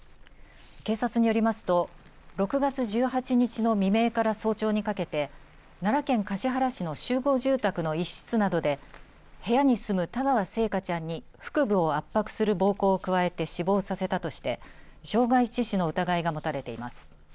警察によりますと６月１８日の未明から早朝にかけて奈良県橿原市の集合住宅の一室などで部屋に住む田川星華ちゃんに腹部を圧迫する暴行を加えて死亡させたとして傷害致死の疑いが持たれています。